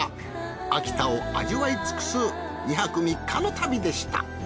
秋田を味わい尽くす２泊３日の旅でした。